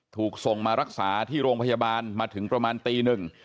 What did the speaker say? ถูกส่งมารักษาที่โรงพยาบาลมาถึงประมาณตีหนึ่ง